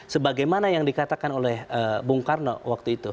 sebagaimana yang dikatakan oleh bung karno waktu itu